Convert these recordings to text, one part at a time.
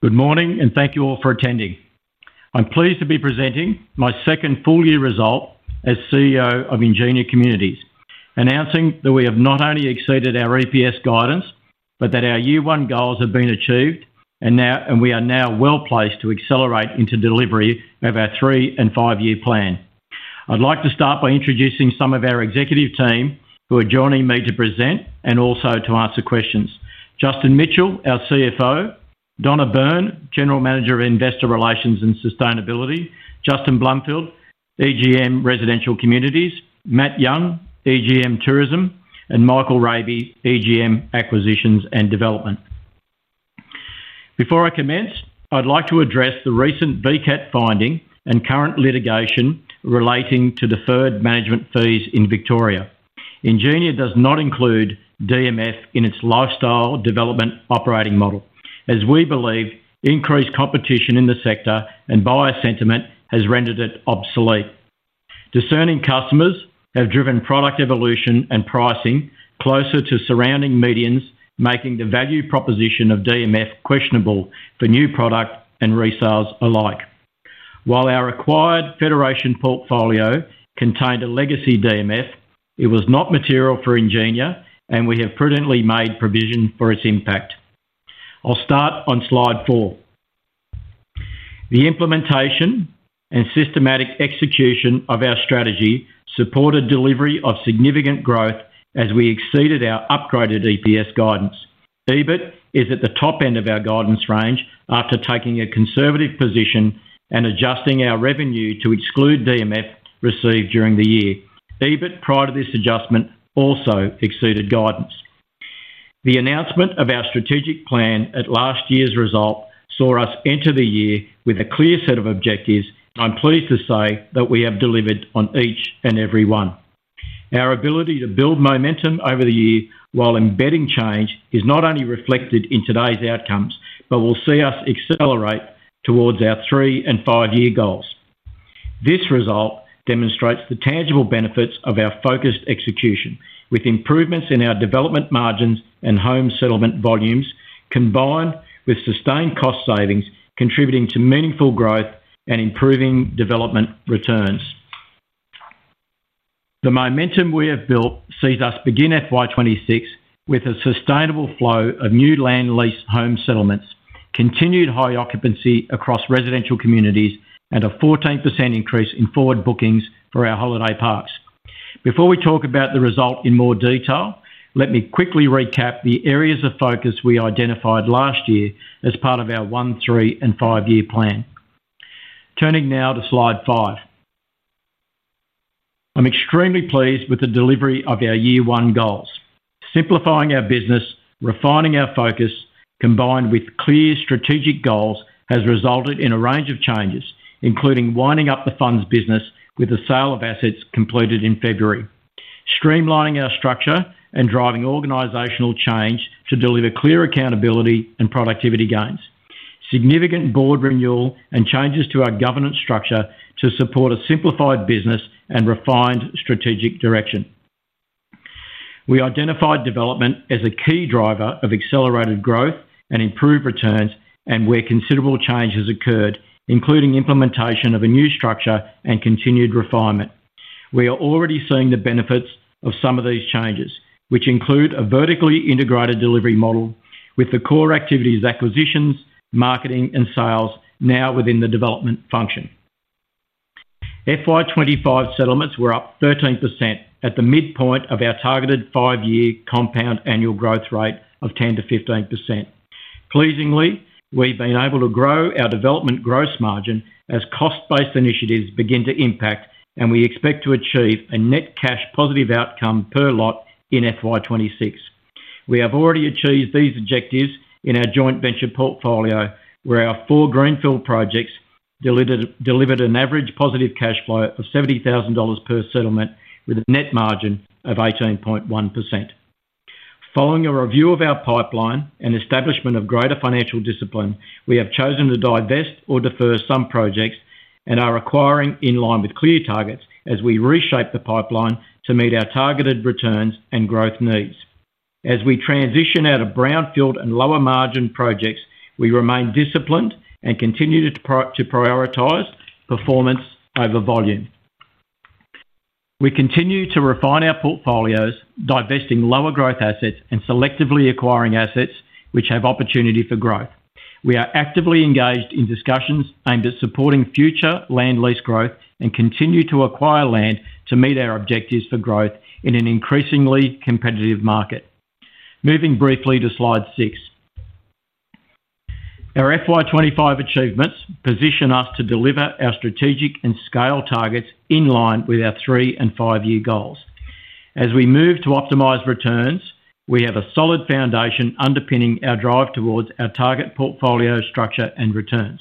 Good morning and thank you all for attending. I'm pleased to be presenting my second full-year result as CEO of Ingenia Communities, announcing that we have not only exceeded our EPS guidance, but that our year-one goals have been achieved, and we are now well placed to accelerate into delivery of our three and five-year plan. I'd like to start by introducing some of our executive team who are joining me to present and also to answer questions. Justin Mitchell, our CFO; Donna Byrne, General Manager of Investor Relations and Sustainability; Justin Blumfield, EGM Residential Communities; Matt Young, EGM Tourism; and Michael Rabey, EGM Acquisitions and Development. Before I commence, I'd like to address the recent VCAT finding and current litigation relating to deferred management fees in Victoria. Ingenia does not include DMF in its lifestyle development operating model, as we believe increased competition in the sector and buyer sentiment has rendered it obsolete. Discerning customers have driven product evolution and pricing closer to surrounding medians, making the value proposition of DMF questionable for new product and resales alike. While our acquired federation portfolio contained a legacy DMF, it was not material for Ingenia, and we have prudently made provision for its impact. I'll start on slide 4. The implementation and systematic execution of our strategy supported delivery of significant growth as we exceeded our upgraded EPS guidance. EBIT is at the top end of our guidance range after taking a conservative position and adjusting our revenue to exclude DMF received during the year. EBIT prior to this adjustment also exceeded guidance. The announcement of our strategic plan at last year's result saw us enter the year with a clear set of objectives, and I'm pleased to say that we have delivered on each and every one. Our ability to build momentum over the year while embedding change is not only reflected in today's outcomes, but will see us accelerate towards our three and five-year goals. This result demonstrates the tangible benefits of our focused execution, with improvements in our development margins and home settlement volumes combined with sustained cost savings, contributing to meaningful growth and improving development returns. The momentum we have built sees us begin FY 2026 with a sustainable flow of new land lease home settlements, continued high occupancy across residential communities, and a 14% increase in forward bookings for our holiday parks. Before we talk about the result in more detail, let me quickly recap the areas of focus we identified last year as part of our one, three, and five-year plan. Turning now to slide 5. I'm extremely pleased with the delivery of our year-one goals. Simplifying our business, refining our focus, combined with clear strategic goals, has resulted in a range of changes, including winding up the fund's business with the sale of assets completed in February, streamlining our structure, and driving organizational change to deliver clear accountability and productivity gains. Significant board renewal and changes to our governance structure to support a simplified business and refined strategic direction. We identified development as a key driver of accelerated growth and improved returns, and where considerable change has occurred, including implementation of a new structure and continued refinement. We are already seeing the benefits of some of these changes, which include a vertically integrated delivery model with the core activities acquisitions, marketing, and sales now within the development function. FY 2025 settlements were up 13% at the midpoint of our targeted five-year compound annual growth rate of 10%-15%. Pleasingly, we've been able to grow our development gross margin as cost-based initiatives begin to impact, and we expect to achieve a net cash positive outcome per lot in FY 2026. We have already achieved these objectives in our joint venture portfolio, where our four greenfield projects delivered an average positive cash flow of 70,000 dollars per settlement with a net margin of 18.1%. Following a review of our pipeline and establishment of greater financial discipline, we have chosen to divest or defer some projects and are acquiring in line with clear targets as we reshape the pipeline to meet our targeted returns and growth needs. As we transition out of brownfield and lower margin projects, we remain disciplined and continue to prioritize performance over volume. We continue to refine our portfolios, divesting lower growth assets and selectively acquiring assets which have opportunity for growth. We are actively engaged in discussions aimed at supporting future land lease growth and continue to acquire land to meet our objectives for growth in an increasingly competitive market. Moving briefly to slide 6, our FY 2025 achievements position us to deliver our strategic and scale targets in line with our three and five-year goals. As we move to optimize returns, we have a solid foundation underpinning our drive towards our target portfolio structure and returns.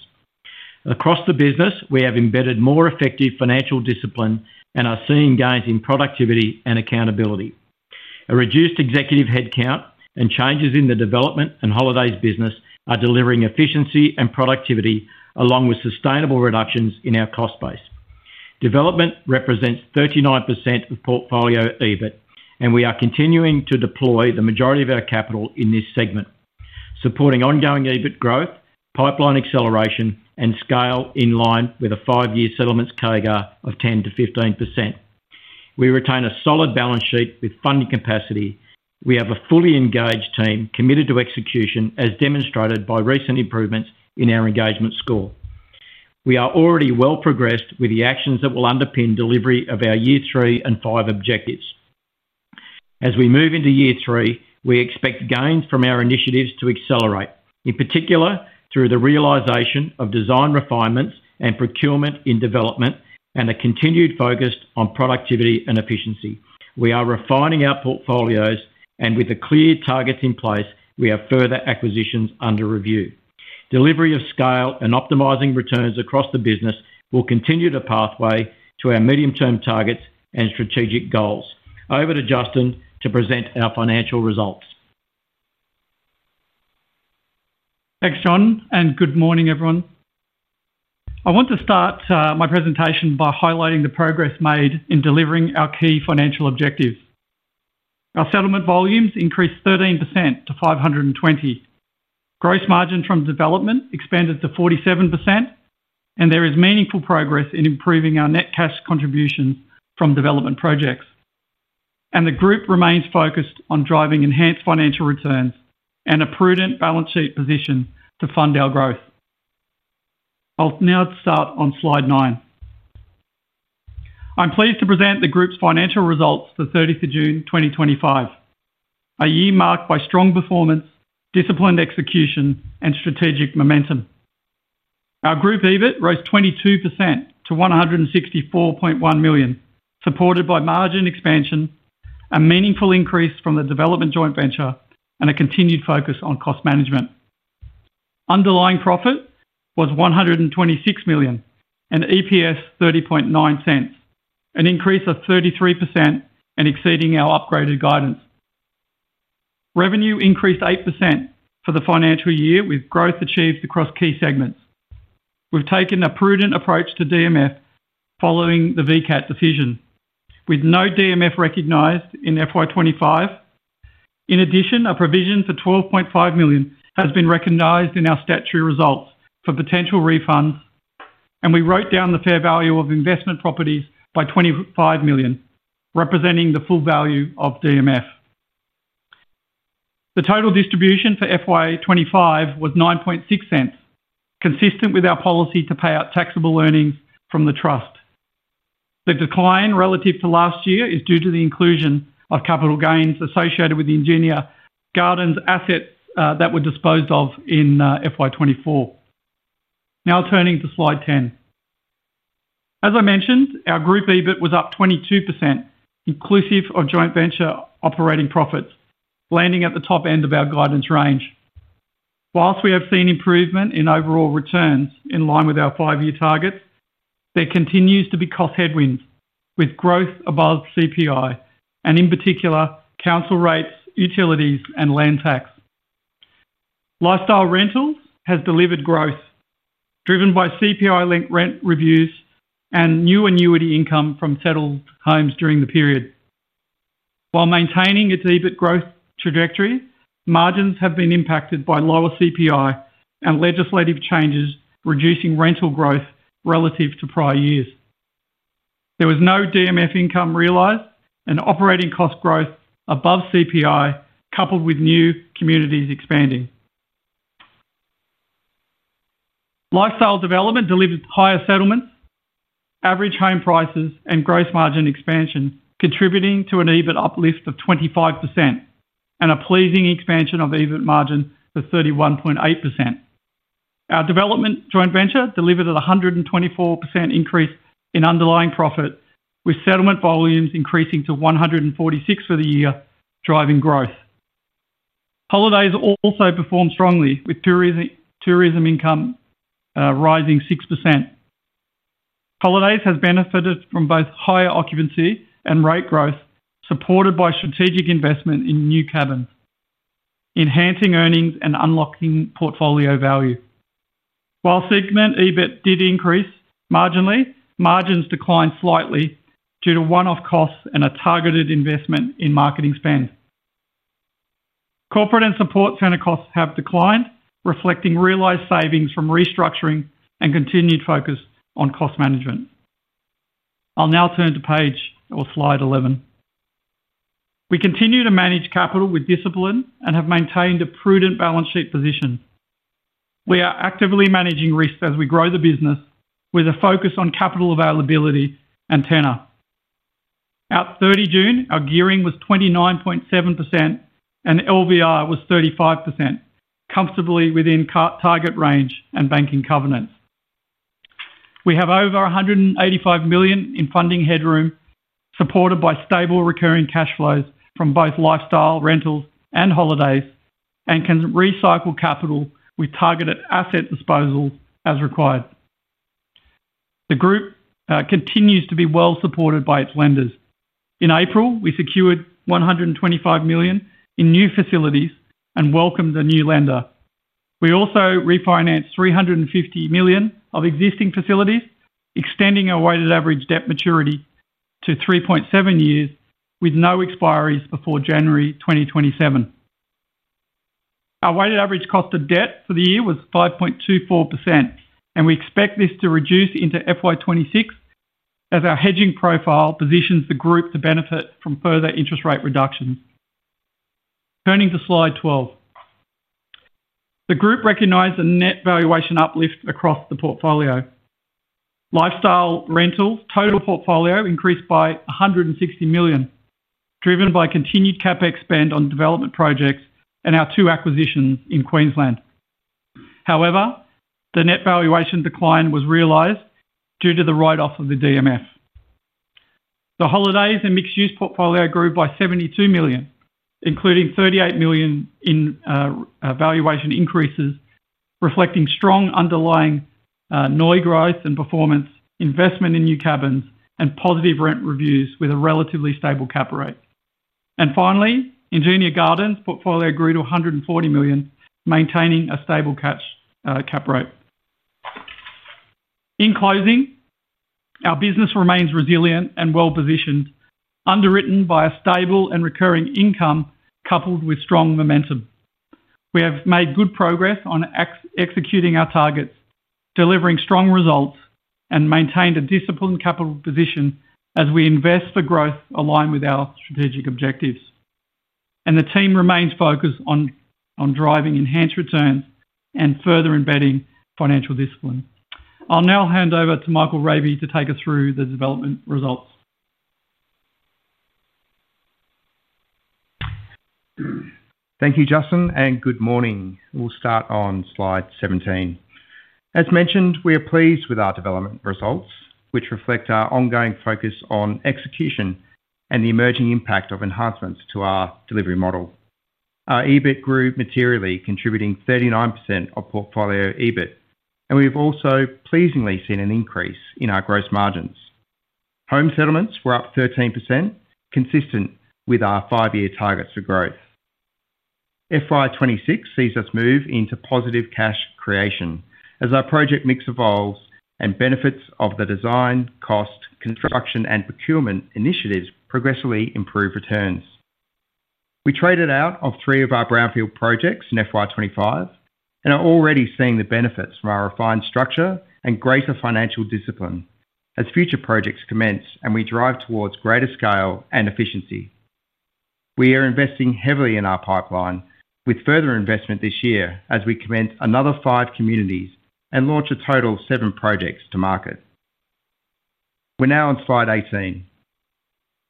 Across the business, we have embedded more effective financial discipline and are seeing gains in productivity and accountability. A reduced executive headcount and changes in the development and Holidays business are delivering efficiency and productivity, along with sustainable reductions in our cost base. Development represents 39% of portfolio EBIT, and we are continuing to deploy the majority of our capital in this segment, supporting ongoing EBIT growth, pipeline acceleration, and scale in line with a five-year settlements CAGR of 10%-15%. We retain a solid balance sheet with funding capacity. We have a fully engaged team committed to execution, as demonstrated by recent improvements in our engagement score. We are already well progressed with the actions that will underpin delivery of our year three and five objectives. As we move into year three, we expect gains from our initiatives to accelerate, in particular through the realization of design refinements and procurement in development and a continued focus on productivity and efficiency. We are refining our portfolios, and with the clear targets in place, we have further acquisitions under review. Delivery of scale and optimizing returns across the business will continue the pathway to our medium-term targets and strategic goals. Over to Justin to present our financial results. Thanks, John, and good morning, everyone. I want to start my presentation by highlighting the progress made in delivering our key financial objectives. Our settlement volumes increased 13% to 520. Gross margin from development expanded to 47%, and there is meaningful progress in improving our net cash contribution from development projects. The group remains focused on driving enhanced financial returns and a prudent balance sheet position to fund our growth. I'll now start on slide 9. I'm pleased to present the group's financial results for 30th of June 2025, a year marked by strong performance, disciplined execution, and strategic momentum. Our group EBIT rose 22% to 164.1 million, supported by margin expansion, a meaningful increase from the development joint venture, and a continued focus on cost management. Underlying profit was 126 million and EPS 0.309, an increase of 33% and exceeding our upgraded guidance. Revenue increased 8% for the financial year, with growth achieved across key segments. We've taken a prudent approach to DMF following the VCAT decision, with no DMF recognized in FY 2025. In addition, a provision for 12.5 million has been recognized in our statutory results for potential refunds, and we wrote down the fair value of investment properties by 25 million, representing the full value of DMF. The total distribution for FY 2025 was 0.096, consistent with our policy to pay out taxable earnings from the trust. The decline relative to last year is due to the inclusion of capital gains associated with the Ingenia Gardens assets that were disposed of in FY 2024. Now turning to slide 10. As I mentioned, our group EBIT was up 22%, inclusive of joint venture operating profits, landing at the top end of our guidance range. Whilst we have seen improvement in overall returns in line with our five-year targets, there continues to be cost headwinds with growth above CPI, and in particular, council rates, utilities, and land tax. Lifestyle rentals have delivered growth, driven by CPI linked rent reviews and new annuity income from settled homes during the period. While maintaining its EBIT growth trajectory, margins have been impacted by lower CPI and legislative changes reducing rental growth relative to prior years. There was no DMF income realized and operating cost growth above CPI, coupled with new communities expanding. Lifestyle development delivered higher settlements, average home prices, and gross margin expansion, contributing to an EBIT uplift of 25% and a pleasing expansion of EBIT margin of 31.8%. Our development joint venture delivered at a 124% increase in underlying profit, with settlement volumes increasing to 146 for the year, driving growth. Holidays also performed strongly, with tourism income rising 6%. Holidays has benefited from both higher occupancy and rate growth, supported by strategic investment in new cabins, enhancing earnings and unlocking portfolio value. While segment EBIT did increase marginally, margins declined slightly due to one-off costs and a targeted investment in marketing spend. Corporate and support center costs have declined, reflecting realized savings from restructuring and continued focus on cost management. I'll now turn to page or slide 11. We continue to manage capital with discipline and have maintained a prudent balance sheet position. We are actively managing risks as we grow the business, with a focus on capital availability and tenure. At 30 June, our gearing was 29.7% and LVR was 35%, comfortably within our target range and banking covenants. We have over 185 million in funding headroom, supported by stable recurring cash flows from both lifestyle rentals and holidays, and can recycle capital with targeted asset disposal as required. The group continues to be well supported by its lenders. In April, we secured 125 million in new facilities and welcomed a new lender. We also refinanced 350 million of existing facilities, extending our weighted average debt maturity to 3.7 years with no expiry before January 2027. Our weighted average cost of debt for the year was 5.24%, and we expect this to reduce into FY 2026 as our hedging profile positions the group to benefit from further interest rate reductions. Turning to slide 12. The group recognized a net valuation uplift across the portfolio. Lifestyle rentals total portfolio increased by 160 million, driven by continued CapEx spend on development projects and our two acquisitions in Queensland. However, the net valuation decline was realized due to the write-off of the DMF. The holidays and mixed-use portfolio grew by 72 million, including 38 million in valuation increases, reflecting strong underlying NOI growth and performance, investment in new cabins, and positive rent reviews with a relatively stable cap rate. Finally, the Ingenia Gardens portfolio grew to 140 million, maintaining a stable cap rate. In closing, our business remains resilient and well positioned, underwritten by a stable and recurring income coupled with strong momentum. We have made good progress on executing our targets, delivering strong results, and maintained a disciplined capital position as we invest for growth aligned with our strategic objectives. The team remains focused on driving enhanced return and further embedding financial discipline. I'll now hand over to Michael Rabey to take us through the development results. Thank you, Justin, and good morning. We'll start on slide 17. As mentioned, we are pleased with our development results, which reflect our ongoing focus on execution and the emerging impact of enhancements to our delivery model. Our EBIT grew materially, contributing 39% of portfolio EBIT, and we've also pleasingly seen an increase in our gross margins. Home settlements were up 13%, consistent with our five-year targets for growth. FY 2026 sees us move into positive cash creation as our project mix evolves and benefits of the design, cost, construction, and procurement initiatives progressively improve returns. We traded out of three of our brownfield projects in FY2025 and are already seeing the benefits from our refined structure and greater financial discipline as future projects commence and we drive towards greater scale and efficiency. We are investing heavily in our pipeline, with further investment this year as we commence another five communities and launch a total of seven projects to market. We're now on slide 18.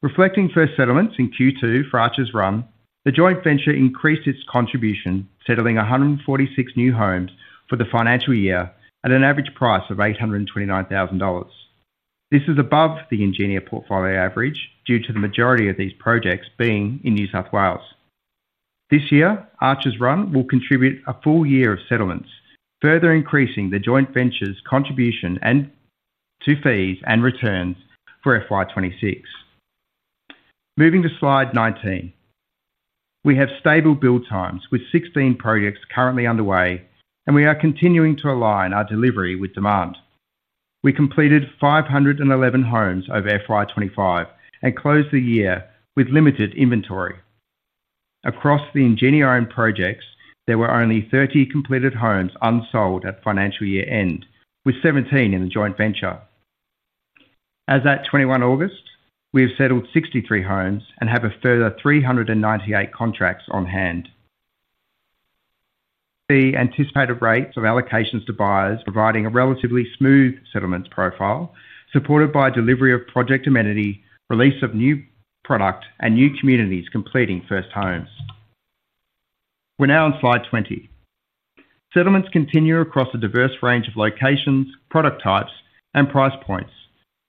Reflecting first settlements in Q2 for Archer's Run, the joint venture increased its contribution, settling 146 new homes for the financial year at an average price of 829,000 dollars. This is above the Ingenia portfolio average due to the majority of these projects being in New South Wales. This year, Archer's Run will contribute a full year of settlements, further increasing the joint venture's contribution to fees and returns for FY 2026. Moving to slide 19, we have stable build times with 16 projects currently underway, and we are continuing to align our delivery with demand. We completed 511 homes over FY 2025 and closed the year with limited inventory. Across the Ingenia-owned projects, there were only 30 completed homes unsold at financial year end, with 17 in the joint venture. As at 21 August, we have settled 63 homes and have a further 398 contracts on hand. The anticipated rates of allocations to buyers provide a relatively smooth settlements profile, supported by delivery of project amenity, release of new product, and new communities completing first homes. We're now on slide 20. Settlements continue across a diverse range of locations, product types, and price points,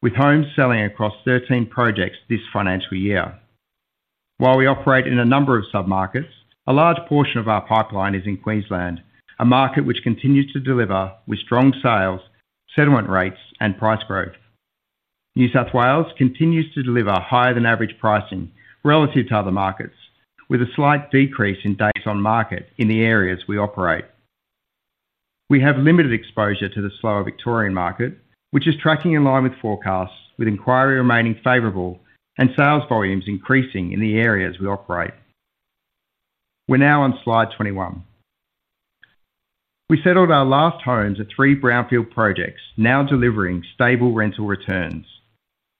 with homes selling across 13 projects this financial year. While we operate in a number of submarkets, a large portion of our pipeline is in Queensland, a market which continues to deliver with strong sales, settlement rates, and price growth. New South Wales continues to deliver higher than average pricing relative to other markets, with a slight decrease in days on market in the areas we operate. We have limited exposure to the slower Victorian market, which is tracking in line with forecasts, with inquiry remaining favorable and sales volumes increasing in the areas we operate. We're now on slide 21. We settled our last homes at three brownfield projects, now delivering stable rental returns.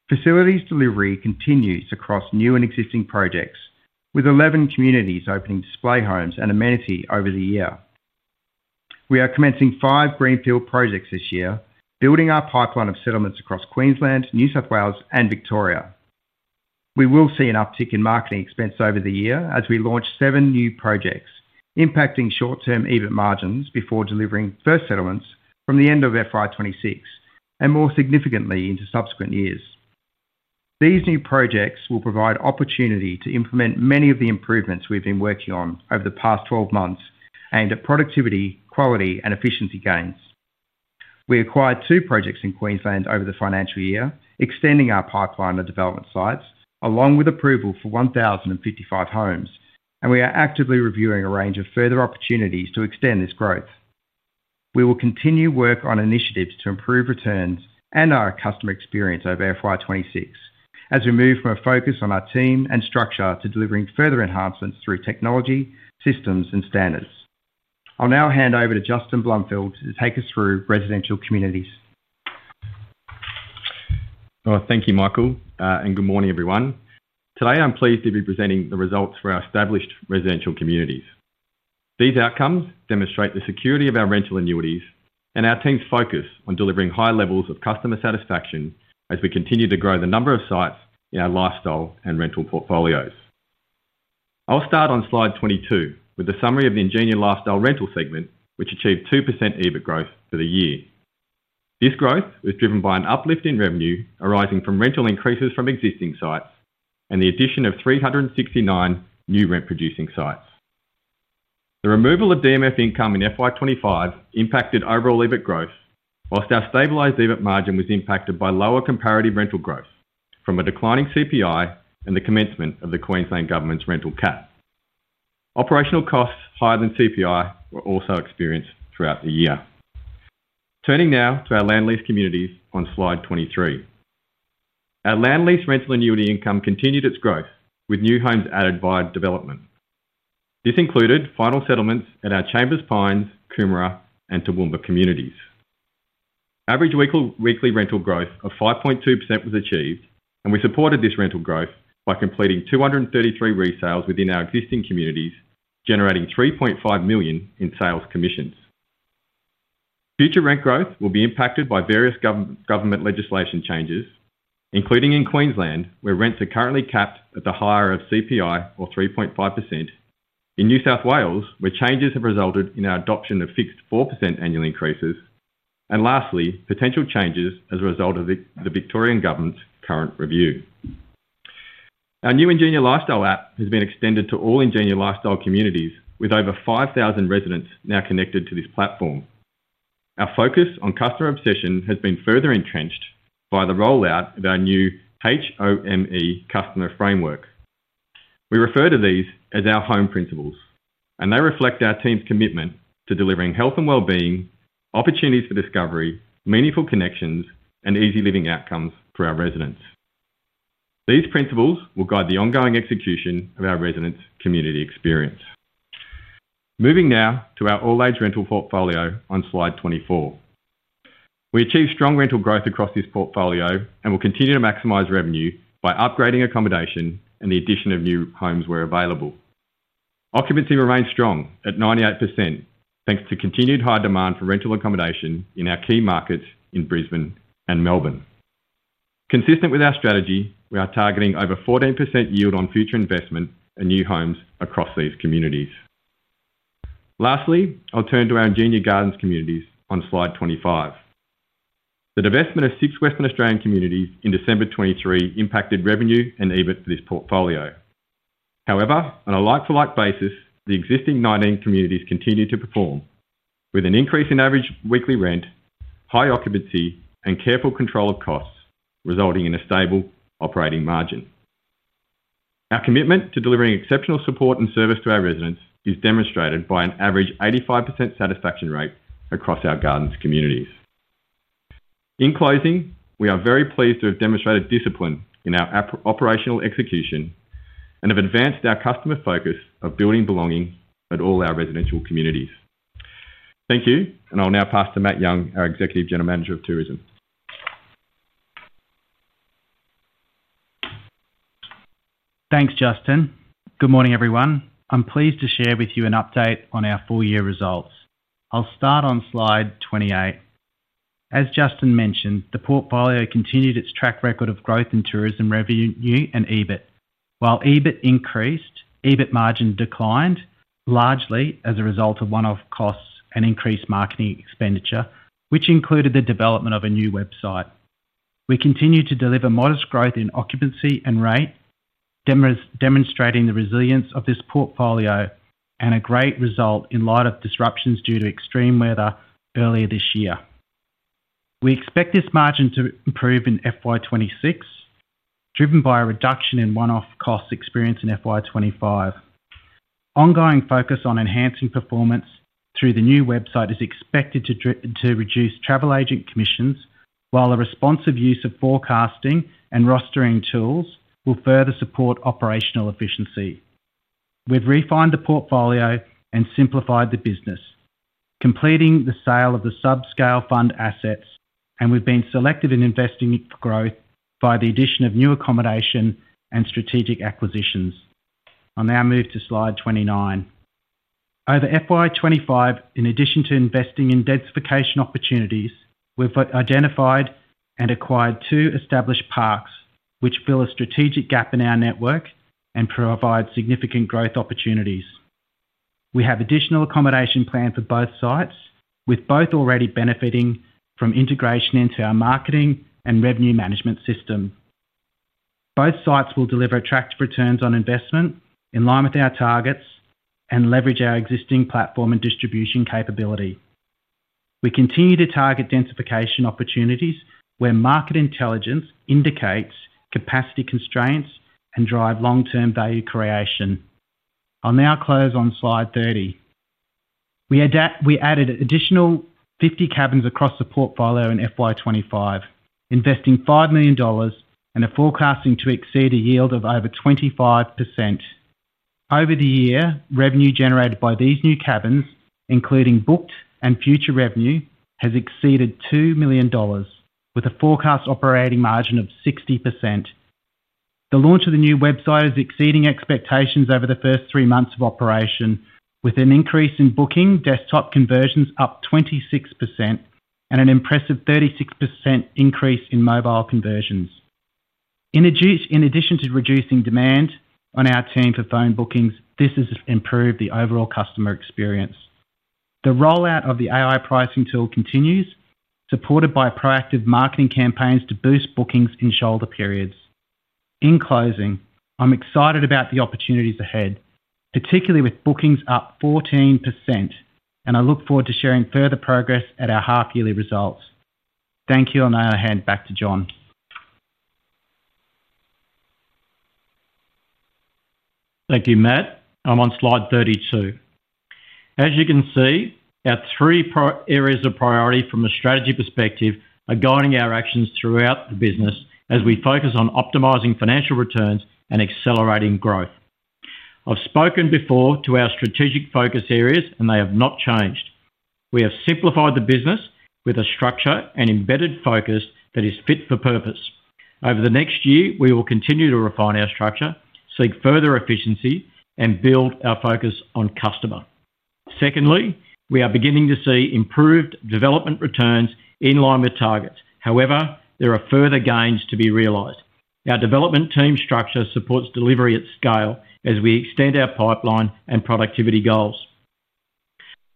Facilities delivery continues across new and existing projects, with 11 communities opening display homes and amenity over the year. We are commencing five greenfield projects this year, building our pipeline of settlements across Queensland, New South Wales, and Victoria. We will see an uptick in marketing expense over the year as we launch seven new projects, impacting short-term EBIT margins before delivering first settlements from the end of FY 2026 and more significantly into subsequent years. These new projects will provide opportunity to implement many of the improvements we've been working on over the past 12 months, aimed at productivity, quality, and efficiency gains. We acquired two projects in Queensland over the financial year, extending our pipeline of development sites, along with approval for 1,055 homes, and we are actively reviewing a range of further opportunities to extend this growth. We will continue work on initiatives to improve returns and our customer experience over FY2026, as we move from a focus on our team and structure to delivering further enhancements through technology, systems, and standards. I'll now hand over to Justin Blumfield to take us through residential communities. Thank you, Michael, and good morning, everyone. Today, I'm pleased to be presenting the results for our established residential communities. These outcomes demonstrate the security of our rental annuities and our team's focus on delivering high levels of customer satisfaction as we continue to grow the number of sites in our lifestyle and rental portfolios. I'll start on slide 22 with the summary of the Ingenia Lifestyle rental segment, which achieved 2% EBIT growth for the year. This growth was driven by an uplift in revenue arising from rental increases from existing sites and the addition of 369 new rent-producing sites. The removal of DMF income in FY2025 impacted overall EBIT growth, while our stabilized EBIT margin was impacted by lower comparative rental growth from a declining CPI and the commencement of the Queensland Government's rental cap. Operational costs higher than CPI were also experienced throughout the year. Turning now to our land lease communities on slide 23, our land lease rental annuity income continued its growth with new homes added via development. This included final settlements at our Chambers Pines, Coomera, and Toowoomba communities. Average weekly rental growth of 5.2% was achieved, and we supported this rental growth by completing 233 resales within our existing communities, generating 3.5 million in sales commissions. Future rent growth will be impacted by various government legislation changes, including in Queensland, where rents are currently capped at the higher of CPI or 3.5%, in New South Wales, where changes have resulted in our adoption of fixed 4% annual increases, and lastly, potential changes as a result of the Victorian Government's current review. Our new Ingenia Lifestyle app has been extended to all Ingenia Lifestyle communities, with over 5,000 residents now connected to this platform. Our focus on customer obsession has been further entrenched by the rollout of our new HOME customer framework. We refer to these as our HOME principles, and they reflect our team's commitment to delivering health and wellbeing, opportunities for discovery, meaningful connections, and easy living outcomes for our residents. These principles will guide the ongoing execution of our residents' community experience. Moving now to our All-Age Rental Portfolio on slide 24, we achieved strong rental growth across this portfolio and will continue to maximize revenue by upgrading accommodation and the addition of new homes where available. Occupancy remains strong at 98% thanks to continued high demand for rental accommodation in our key markets in Brisbane and Melbourne. Consistent with our strategy, we are targeting over 14% yield on future investment in new homes across these communities. Lastly, I'll turn to our Ingenia Gardens communities on slide 25. The divestment of six Western Australian communities in December 2023 impacted revenue and EBIT for this portfolio. However, on a like-for-like basis, the existing 19 communities continue to perform, with an increase in average weekly rent, high occupancy, and careful control of costs, resulting in a stable operating margin. Our commitment to delivering exceptional support and service to our residents is demonstrated by an average 85% satisfaction rate across our Gardens communities. In closing, we are very pleased to have demonstrated discipline in our operational execution and have advanced our customer focus of building belonging at all our residential communities. Thank you, and I'll now pass to Matt Young, our Executive General Manager of Tourism. Thanks, Justin. Good morning, everyone. I'm pleased to share with you an update on our full-year results. I'll start on slide 28. As Justin mentioned, the portfolio continued its track record of growth in tourism revenue and EBIT. While EBIT increased, EBIT margin declined largely as a result of one-off costs and increased marketing expenditure, which included the development of a new website. We continue to deliver modest growth in occupancy and rate, demonstrating the resilience of this portfolio and a great result in light of disruptions due to extreme weather earlier this year. We expect this margin to improve in FY 2026, driven by a reduction in one-off costs experienced in FY 2025. Ongoing focus on enhancing performance through the new website is expected to reduce travel agent commissions, while a responsive use of forecasting and rostering tools will further support operational efficiency. We've refined the portfolio and simplified the business, completing the sale of the sub-scale fund assets, and we've been selective in investing for growth by the addition of new accommodation and strategic acquisitions. I'll now move to slide 29. Over FY 2025, in addition to investing in densification opportunities, we've identified and acquired two established parks, which fill a strategic gap in our network and provide significant growth opportunities. We have additional accommodation planned for both sites, with both already benefiting from integration into our marketing and revenue management system. Both sites will deliver attractive returns on investment in line with our targets and leverage our existing platform and distribution capability. We continue to target densification opportunities where market intelligence indicates capacity constraints and drive long-term value creation. I'll now close on slide 30. We added an additional 50 cabins across the portfolio in FY 2025, investing 5 million dollars and forecasting to exceed a yield of over 25%. Over the year, revenue generated by these new cabins, including booked and future revenue, has exceeded 2 million dollars, with a forecast operating margin of 60%. The launch of the new website is exceeding expectations over the first three months of operation, with an increase in booking desktop conversions up 26% and an impressive 36% increase in mobile conversions. In addition to reducing demand on our team for phone bookings, this has improved the overall customer experience. The rollout of the AI pricing tool continues, supported by proactive marketing campaigns to boost bookings in shoulder periods. In closing, I'm excited about the opportunities ahead, particularly with bookings up 14%, and I look forward to sharing further progress at our half-yearly results. Thank you. On our hand, back to John. Thank you, Matt. I'm on slide 32. As you can see, our three areas of priority from a strategy perspective are guiding our actions throughout the business as we focus on optimizing financial returns and accelerating growth. I've spoken before to our strategic focus areas, and they have not changed. We have simplified the business with a structure and embedded focus that is fit for purpose. Over the next year, we will continue to refine our structure, seek further efficiency, and build our focus on customer. Secondly, we are beginning to see improved development returns in line with target. However, there are further gains to be realized. Our development team structure supports delivery at scale as we extend our pipeline and productivity goals.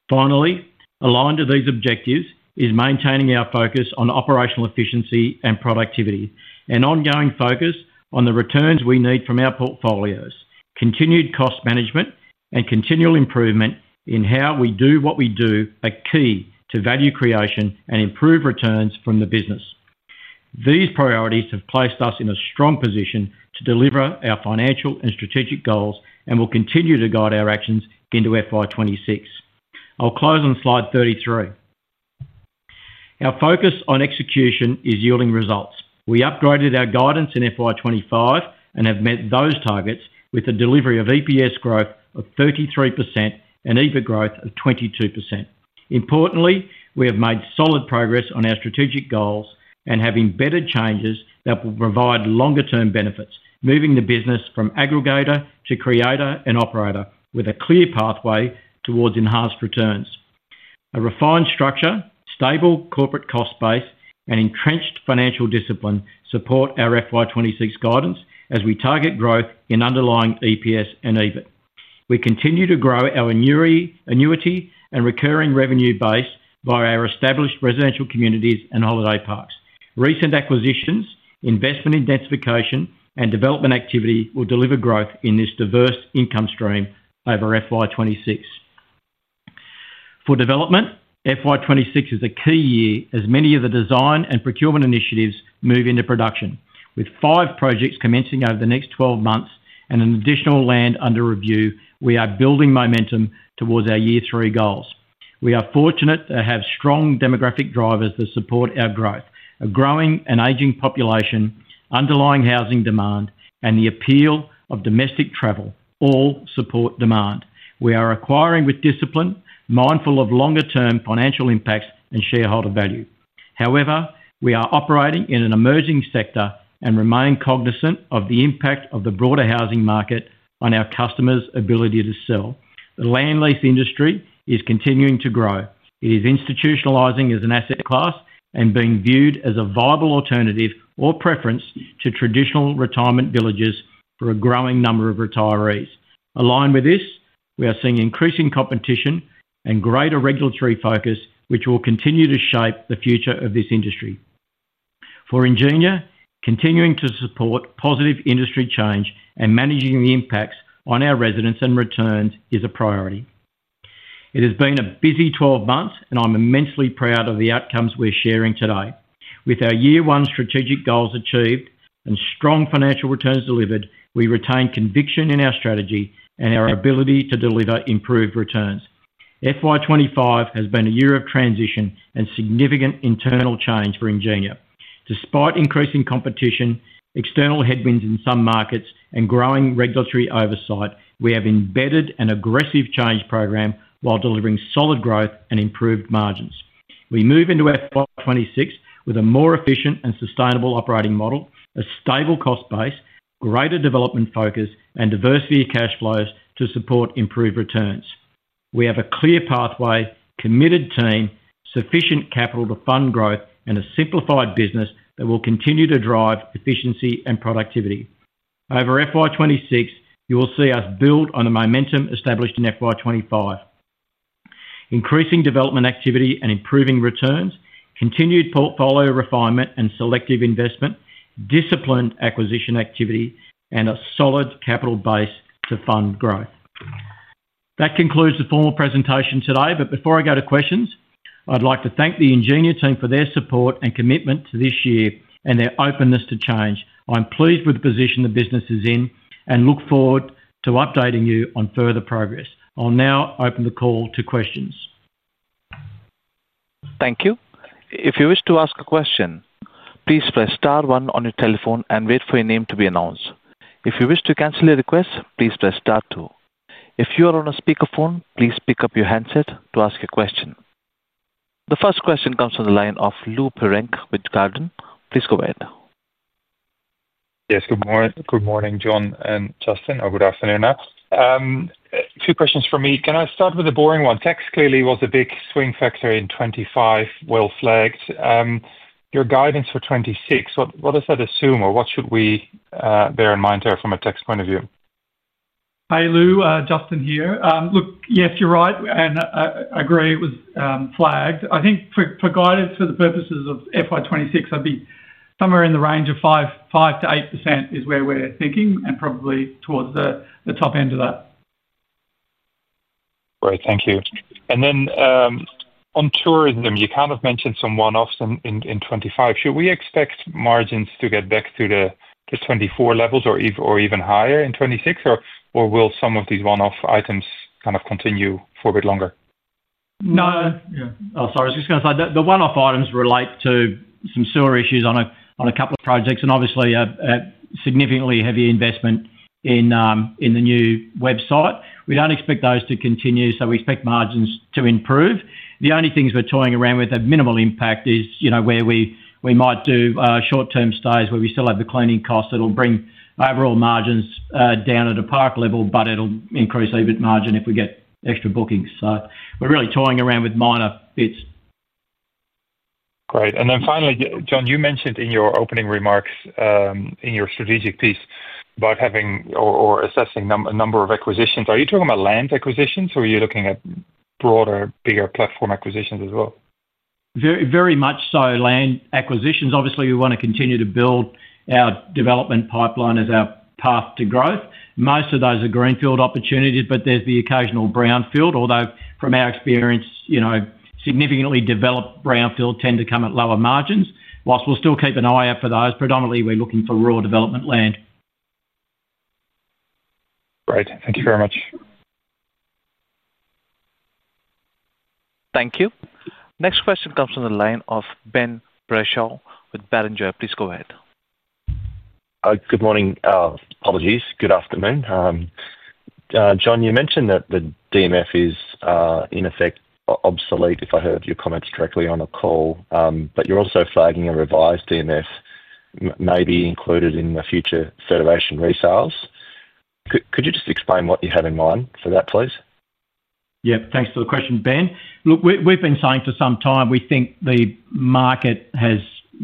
Finally, aligned to these objectives is maintaining our focus on operational efficiency and productivity, an ongoing focus on the returns we need from our portfolios. Continued cost management and continual improvement in how we do what we do are key to value creation and improved returns from the business. These priorities have placed us in a strong position to deliver our financial and strategic goals and will continue to guide our actions into FY 2026. I'll close on slide 33. Our focus on execution is yielding results. We upgraded our guidance in FY 2025 and have met those targets with a delivery of EPS growth of 33% and EBIT growth of 22%. Importantly, we have made solid progress on our strategic goals and have embedded changes that will provide longer-term benefits, moving the business from aggregator to creator and operator with a clear pathway towards enhanced returns. A refined structure, stable corporate cost base, and entrenched financial discipline support our FY 2026 guidance as we target growth in underlying EPS and EBIT. We continue to grow our annuity and recurring revenue base via our established residential communities and holiday parks. Recent acquisitions, investment in densification, and development activity will deliver growth in this diverse income stream over FY 2026. For development, FY 2026 is a key year as many of the design and procurement initiatives move into production, with five projects commencing over the next 12 months and additional land under review, we are building momentum towards our year three goals. We are fortunate to have strong demographic drivers that support our growth. A growing and aging population, underlying housing demand, and the appeal of domestic travel all support demand. We are acquiring with discipline, mindful of longer-term financial impacts and shareholder value. However, we are operating in an emerging sector and remain cognizant of the impact of the broader housing market on our customers' ability to sell. The land lease industry is continuing to grow. It is institutionalizing as an asset class and being viewed as a viable alternative or preference to traditional retirement villages for a growing number of retirees. Aligned with this, we are seeing increasing competition and greater regulatory focus, which will continue to shape the future of this industry. For Ingenia, continuing to support positive industry change and managing the impacts on our residents and returns is a priority. It has been a busy 12 months, and I'm immensely proud of the outcomes we're sharing today. With our year-one strategic goals achieved and strong financial returns delivered, we retain conviction in our strategy and our ability to deliver improved returns. FY 2025 has been a year of transition and significant internal change for Ingenia. Despite increasing competition, external headwinds in some markets, and growing regulatory oversight, we have embedded an aggressive change program while delivering solid growth and improved margins. We move into FY 2026 with a more efficient and sustainable operating model, a stable cost base, greater development focus, and diversity of cash flows to support improved returns. We have a clear pathway, committed team, sufficient capital to fund growth, and a simplified business that will continue to drive efficiency and productivity. Over FY 2026, you will see us build on the momentum established in FY 2025, increasing development activity and improving returns, continued portfolio refinement and selective investment, disciplined acquisition activity, and a solid capital base to fund growth. That concludes the formal presentation today, but before I go to questions, I'd like to thank the Ingenia team for their support and commitment to this year and their openness to change. I'm pleased with the position the business is in and look forward to updating you on further progress. I'll now open the call to questions. Thank you. If you wish to ask a question, please press *1 on your telephone and wait for your name to be announced. If you wish to cancel your request, please press *2. If you are on a speakerphone, please pick up your handset to ask your question. The first question comes from the line of Lou Pirenc with Jarden. Please go ahead. Yes, good morning. Good morning, John and Justin, or good afternoon. A few questions from me. Can I start with a boring one? Tax clearly was a big swing factor in 2025, well flagged. Your guidance for 2026, what does that assume, or what should we bear in mind there from a tax point of view? Hi Lou, Justin here. Yes, you're right and I agree it was flagged. I think for guidance for the purposes of FY 2026, I'd be somewhere in the range of 5%-8%, is where we're thinking and probably towards the top end of that. Thank you. On tourism, you kind of mentioned some one-offs in 2025. Should we expect margins to get back to the 2024 levels or even higher in 2026, or will some of these one-off items continue for a bit longer? I'm sorry, I was just going to say the one-off items relate to some sewer issues on a couple of projects and obviously a significantly heavier investment in the new website. We don't expect those to continue, so we expect margins to improve. The only things we're toying around with, the minimal impact is, you know, where we might do short-term stays where we still have the cleaning costs. It'll bring overall margins down at a park level, but it'll increase EBIT margin if we get extra bookings. We're really toying around with minor bits. Great. Finally, John, you mentioned in your opening remarks in your strategic piece about having or assessing a number of acquisitions. Are you talking about land acquisitions or are you looking at broader, bigger platform acquisitions as well? Very much so land acquisitions. Obviously, we want to continue to build our development pipeline as our path to growth. Most of those are greenfield opportunities, but there's the occasional brownfield, although from our experience, significantly developed brownfield tend to come at lower margins. Whilst we'll still keep an eye out for those, predominantly we're looking for rural development land. Great, thank you very much. Thank you. Next question comes from the line of Ben Brayshaw with Barrenjoey. Please go ahead. Good morning. Apologies. Good afternoon. John, you mentioned that the DMF is in effect obsolete, if I heard your comments correctly on the call, but you're also flagging a revised DMF may be included in the future federation resales. Could you just explain what you have in mind for that, please? Yeah, thanks for the question, Ben. Look, we've been saying for some time we think the market has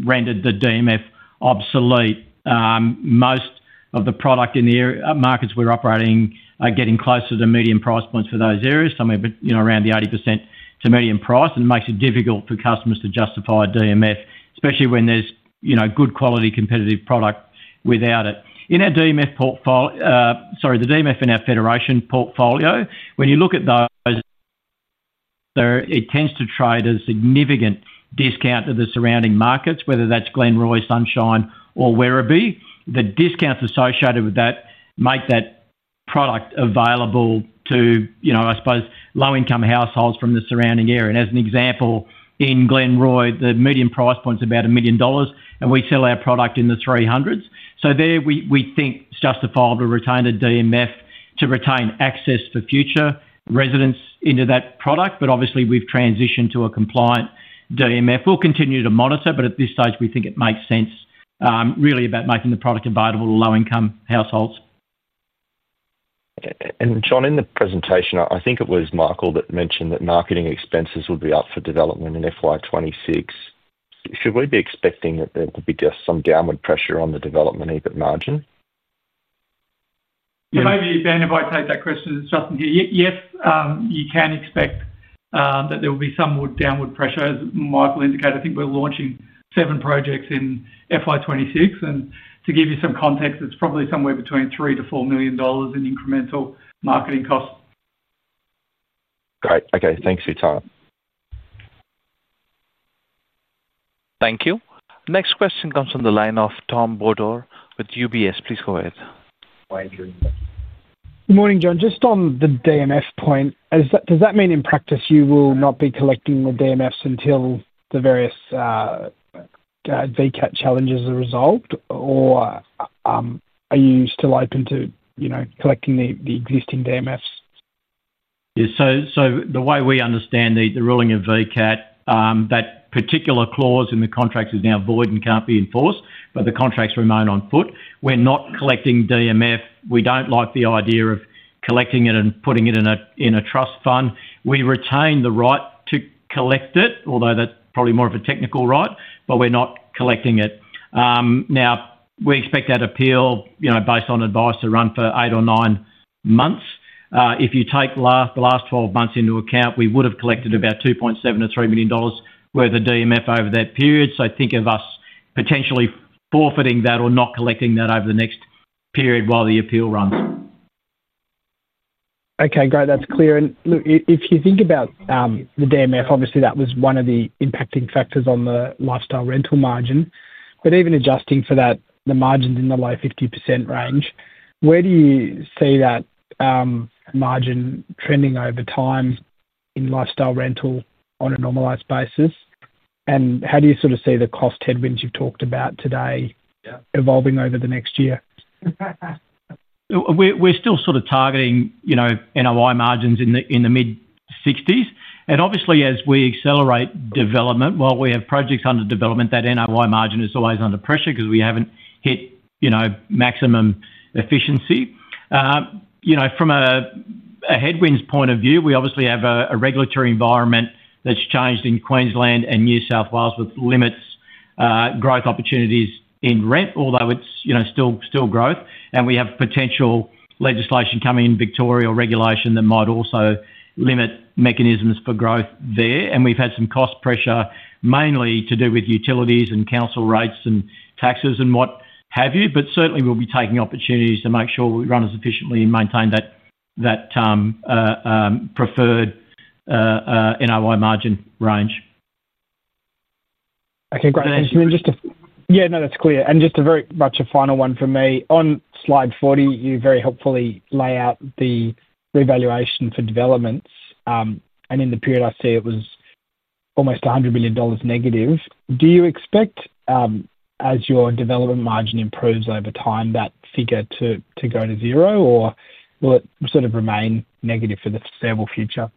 rendered the DMF obsolete. Most of the product in the markets we're operating are getting closer to median price points for those areas, somewhere around the 80% to median price, and it makes it difficult for customers to justify DMF, especially when there's, you know, good quality competitive product without it. In our DMF portfolio, sorry, the DMF in our federation portfolio, when you look at those, it tends to trade at a significant discount to the surrounding markets, whether that's Glenroy, Sunshine, or Werribee. The discounts associated with that make that product available to, you know, I suppose, low-income households from the surrounding area. As an example, in Glenroy, the median price point's about 1 million dollars, and we sell our product in the AUD 300,000s. There, we think it's justifiable to retain a DMF to retain access for future residents into that product. Obviously, we've transitioned to a compliant DMF. We'll continue to monitor, but at this stage, we think it makes sense really about making the product available to low-income households. John, in the presentation, I think it was Michael that mentioned that marketing expenses would be up for development in FY 2026. Should we be expecting it to be just some downward pressure on the development EBIT margin? Maybe Ben, if I take that question. Yes, you can expect that there will be some downward pressure. As Michael indicated, I think we're launching seven projects in FY 2026, and to give you some context, it's probably somewhere between 3 million-4 million dollars in incremental marketing costs. Great. Okay, thanks for your time. Thank you. Next question comes from the line of Tom Bodor with UBS. Please go ahead. Good morning, John. Just on the DMF point, does that mean in practice you will not be collecting the DMFs until the various VCAT challenges are resolved, or are you still open to collecting the existing DMFs? Yeah, the way we understand the ruling of VCAT, that particular clause in the contract is now void and can't be enforced, but the contracts remain on foot. We're not collecting DMF. We don't like the idea of collecting it and putting it in a trust fund. We retain the right to collect it, although that's probably more of a technical right, but we're not collecting it. We expect that appeal, based on advice, to run for eight or nine months. If you take the last 12 months into account, we would have collected about 2.7 million-3 million dollars worth of DMF over that period. Think of us potentially forfeiting that or not collecting that over the next period while the appeal runs. Okay, great, that's clear. If you think about the DMF, obviously, that was one of the impacting factors on the lifestyle rental margin. Even adjusting for that, the margin's in the low 50% range. Where do you see that margin trending over time in lifestyle rental on a normalised basis? How do you sort of see the cost headwinds you've talked about today evolving over the next year? We're still sort of targeting, you know, NOI margins in the mid-60%. Obviously, as we accelerate development, while we have projects under development, that NOI margin is always under pressure because we haven't hit, you know, maximum efficiency. You know, from a headwinds point of view, we obviously have a regulatory environment that's changed in Queensland and New South Wales that limits growth opportunities in rent, although it's, you know, still growth. We have potential legislation coming in Victoria, or regulation that might also limit mechanisms for growth there. We've had some cost pressure mainly to do with utilities and council rates and taxes and what have you. Certainly, we'll be taking opportunities to make sure we run as efficiently and maintain that preferred NOI margin range. Okay, great. That's clear. Just a very much a final one for me. On slide 40, you very helpfully lay out the revaluation for developments. In the period, I see it was almost 100 million dollars negative. Do you expect, as your development margin improves over time, that figure to go to zero, or will it sort of remain negative for the foreseeable future?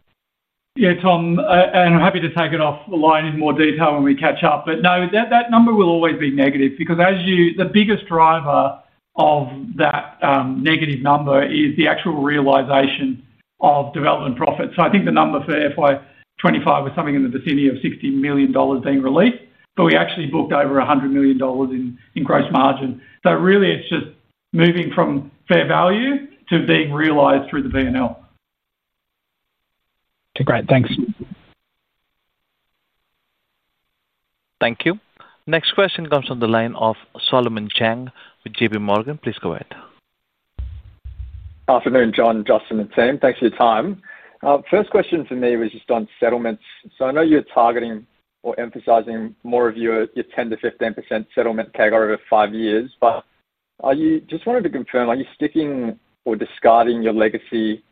Yeah, Tom, I'm happy to take it off the line in more detail when we catch up. No, that number will always be negative because as you... The biggest driver of that negative number is the actual realisation of development profits. I think the number for FY 2025 was something in the vicinity of 60 million dollars being released, but we actually booked over 100 million dollars in gross margin. Really, it's just moving from fair value to being realised through the P&L. Great, thanks. Thank you. Next question comes from the line of Solomon Zhang with JP Morgan. Please go ahead. Afternoon, John, Justin, and Team. Thanks for your time. First question for me was just on settlements. I know you're targeting or emphasizing more of your 10%-15% settlement CAGR over five years, but I just wanted to confirm, are you sticking or discarding your legacy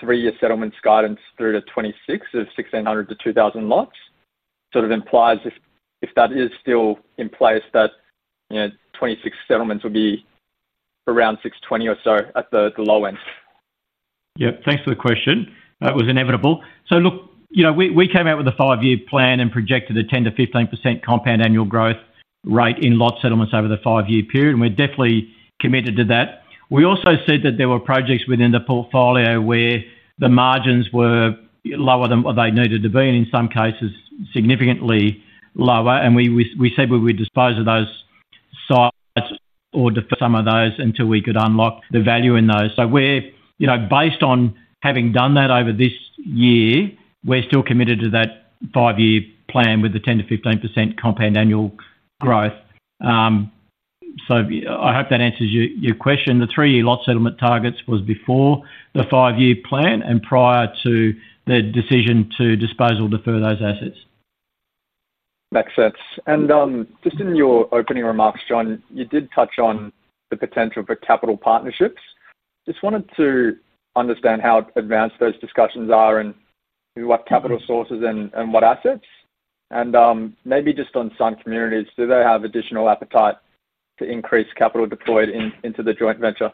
three-year settlements guidance through to 2026 of 1,600-2,000 lots? It sort of implies if that is still in place that 2026 settlements will be around 620 or so at the low end. Yeah, thanks for the question. It was inevitable. Look, you know, we came out with a five-year plan and projected a 10%-15% compound annual growth rate in lot settlements over the five-year period, and we're definitely committed to that. We also said that there were projects within the portfolio where the margins were lower than what they needed to be and in some cases significantly lower, and we said we would dispose of those sites or some of those until we could unlock the value in those. Based on having done that over this year, we're still committed to that five-year plan with the 10%-15% compound annual growth. I hope that answers your question. The three-year lot settlement targets were before the five-year plan and prior to the decision to dispose or defer those assets. Makes sense. In your opening remarks, John, you did touch on the potential for capital partnerships. I just wanted to understand how advanced those discussions are and what capital sources and what assets. Maybe just on Sun Communities, do they have additional appetite to increase capital deployed into the joint venture?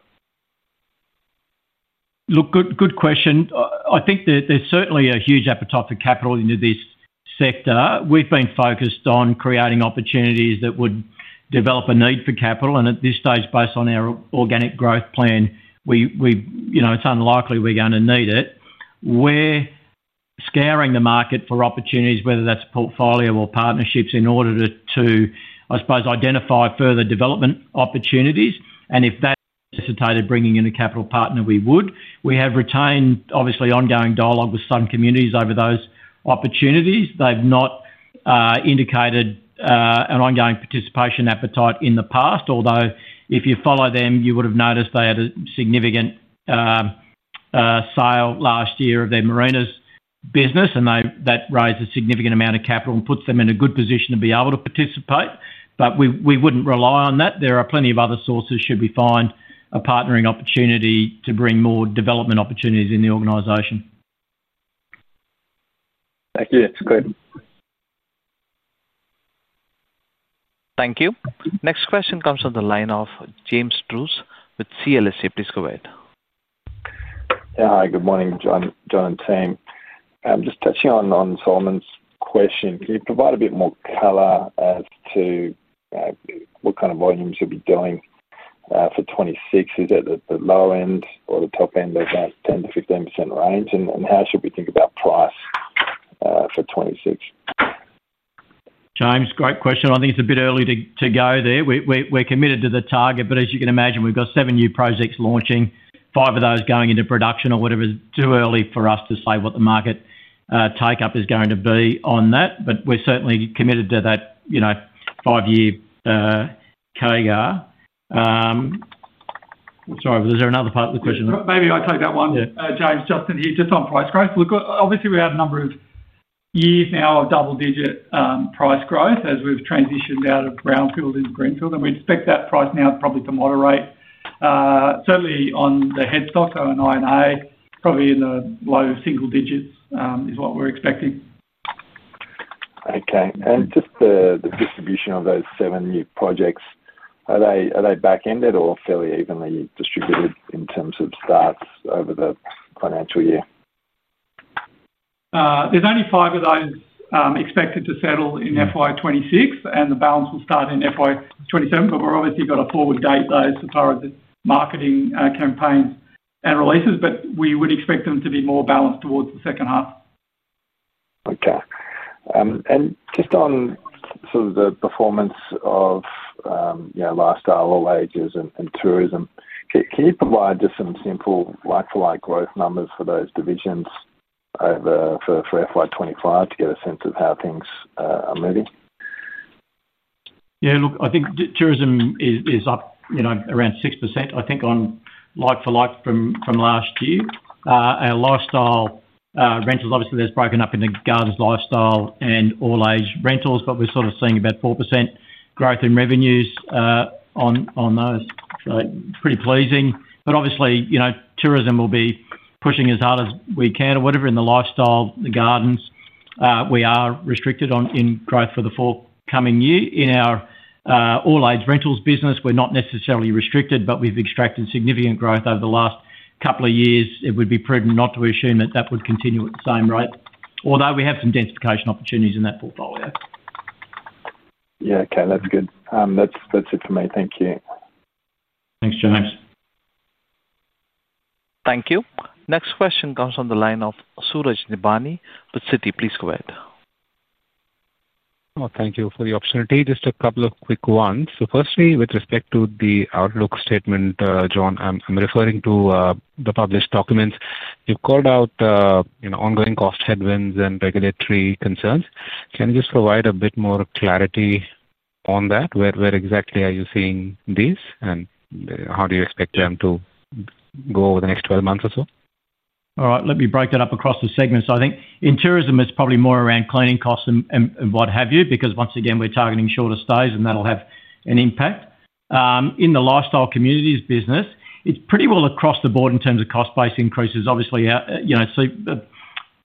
Good question. I think there's certainly a huge appetite for capital into this sector. We've been focused on creating opportunities that would develop a need for capital, and at this stage, based on our organic growth plan, it's unlikely we're going to need it. We're scouring the market for opportunities, whether that's portfolio or partnerships, in order to identify further development opportunities. If that necessitated bringing in a capital partner, we would. We have retained, obviously, ongoing dialogue with some communities over those opportunities. They've not indicated an ongoing participation appetite in the past, although if you follow them, you would have noticed they had a significant sale last year of their marinas business, and that raised a significant amount of capital and puts them in a good position to be able to participate. We wouldn't rely on that. There are plenty of other sources should we find a partnering opportunity to bring more development opportunities in the organization. Thank you. That's great. Thank you. Next question comes from the line of James Druce with CLSA. Please go ahead. Yeah, hi, good morning, John and team. I'm just touching on Solomon's question. Can you provide a bit more color as to what kind of volume should be doing for 2026? Is it at the low end or the top end of that 10%-15% range? How should we think about price? James, great question. I think it's a bit early to go there. We're committed to the target, but as you can imagine, we've got seven new projects launching, five of those going into production or whatever. It's too early for us to say what the market take-up is going to be on that. We're certainly committed to that five-year CAGR. Sorry, was there another part of the question? Maybe I'll take that one. James, just in here just on price growth. Look, obviously we have a number of years now of double-digit price growth as we've transitioned out of brownfield into greenfield, and we expect that price now probably to moderate. Certainly on the headstocks, so an I&A probably in the low single digits is what we're expecting. Okay, just the distribution of those seven new projects, are they back-ended or fairly evenly distributed in terms of starts over the financial year? There's only five of those expected to settle in FY 2026, and the balance will start in FY 2027. We've obviously got a forward date though so far as the marketing campaigns and releases, but we would expect them to be more balanced towards the second half. Okay, just on the performance of Lifestyle, All-Age, and Tourism, can you provide just some simple like-for-like growth numbers for those divisions over FY 2025 to get a sense of how things are leading? Yeah, look, I think tourism is up around 6% on like-for-like from last year. Our lifestyle rentals, obviously that's broken up into Gardens, Lifestyle, and All-Age Rentals, but we're sort of seeing about 4% growth in revenues on those. Pretty pleasing. Obviously, tourism will be pushing as hard as we can in the lifestyle, the gardens. We are restricted in growth for the forthcoming year. In our All-Age Rentals business, we're not necessarily restricted, but we've extracted significant growth over the last couple of years. It would be prudent not to assume that that would continue at the same rate, although we have some densification opportunities in that portfolio. Yeah, okay, that's good. That's it for me. Thank you. Thanks, James. Thank you. Next question comes from the line of Suraj Nebhani with Citi. Please go ahead. Thank you for the opportunity. Just a couple of quick ones. Firstly, with respect to the outlook statement, John, I'm referring to the published documents. You've called out ongoing cost headwinds and regulatory concerns. Can you just provide a bit more clarity on that? Where exactly are you seeing these, and how do you expect them to go over the next 12 months or so? All right, let me break that up across the segments. I think in tourism, it's probably more around cleaning costs and what have you, because once again, we're targeting shorter stays and that'll have an impact. In the lifestyle communities business, it's pretty well across the board in terms of cost-based increases. Obviously,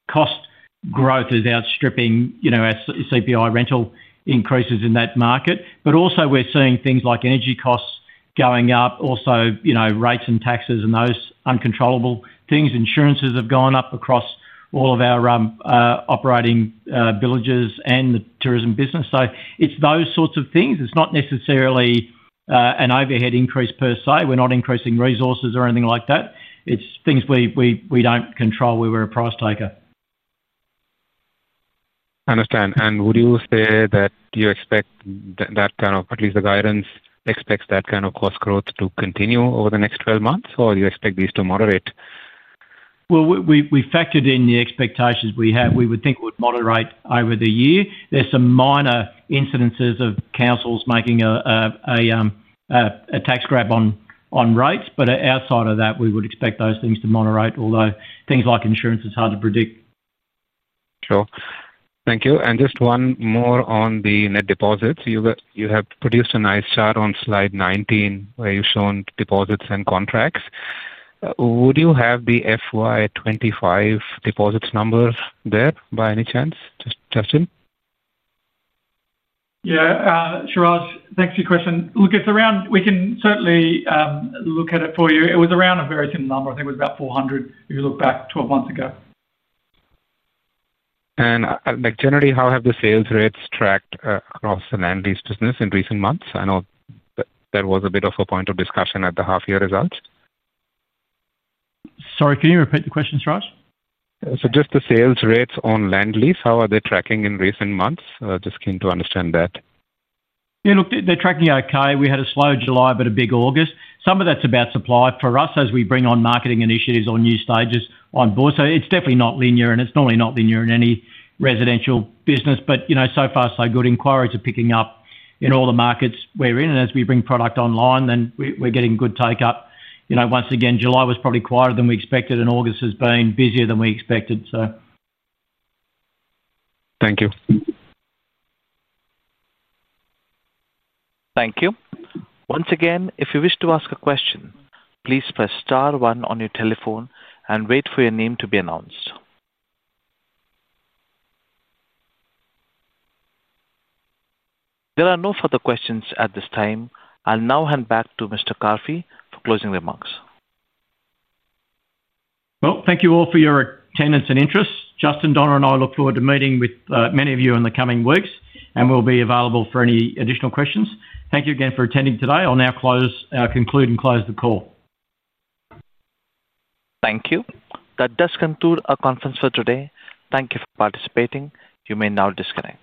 cost growth is outstripping our CPI rental increases in that market. Also, we're seeing things like energy costs going up, rates and taxes, and those uncontrollable things. Insurances have gone up across all of our operating villages and the tourism business. It's those sorts of things. It's not necessarily an overhead increase per se. We're not increasing resources or anything like that. It's things we don't control where we're a price taker. I understand. Would you say that you expect that kind of, at least the guidance expects that kind of cost growth to continue over the next 12 months, or do you expect these to moderate? We factored in the expectations we have. We would think it would moderate over the year. There are some minor incidences of councils making a tax grab on rates, but outside of that, we would expect those things to moderate, although things like insurance are hard to predict. Sure. Thank you. Just one more on the net deposits. You have produced a nice chart on slide 19 where you've shown deposits and contracts. Would you have the FY 2025 deposits number there by any chance, Justin? Yeah, Suraj, thanks for your question. Look, it's around, we can certainly look at it for you. It was around a very similar number. I think it was about 400 if you look back 12 months ago. Generally, how have the sales rates tracked across the land lease business in recent months? I know there was a bit of a point of discussion at the half-year result. Sorry, can you repeat the question, Suraj? Just the sales rates on land lease, how are they tracking in recent months? Just keen to understand that. Yeah, look, they're tracking okay. We had a slow July, but a big August. Some of that's about supply for us as we bring on marketing initiatives on new stages on board. It's definitely not linear, and it's normally not linear in any residential business. So far so good. Inquiries are picking up in all the markets we're in, and as we bring product online, we're getting good take-up. Once again, July was probably quieter than we expected, and August has been busier than we expected. Thank you. Thank you. Once again, if you wish to ask a question, please press *1 on your telephone and wait for your name to be announced. There are no further questions at this time. I'll now hand back to Mr. Carfi for closing remarks. Thank you all for your attendance and interest. Justin, Donna, and I look forward to meeting with many of you in the coming weeks, and we'll be available for any additional questions. Thank you again for attending today. I'll now conclude and close the call. Thank you. That does conclude our conference for today. Thank you for participating. You may now disconnect.